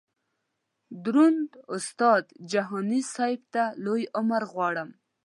دروند استاد جهاني صیب ته لوی عمر غواړم.